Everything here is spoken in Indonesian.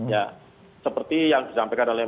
ya seperti yang disampaikan oleh